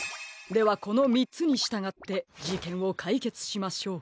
ではこの３つにしたがってじけんをかいけつしましょう。